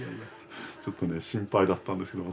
ちょっとね心配だったんですけど。